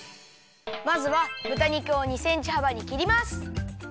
まずはぶた肉を２センチはばにきります。